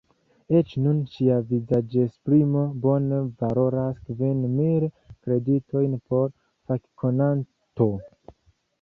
Eĉ nun, ŝia vizaĝesprimo bone valoras kvin mil kreditojn por fakkonanto.